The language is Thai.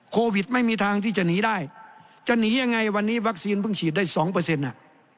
โควิดไม่มีทางที่จะหนีได้จะหนียังไงวันนี้วัคซีนเพิ่งฉีดได้สองเปอร์เซ็นต์อ่ะ